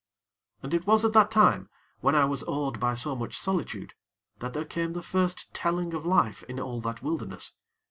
And it was at this time, when I was awed by so much solitude, that there came the first telling of life in all that wilderness.